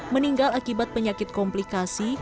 meninggal akibat penyakit komplikasi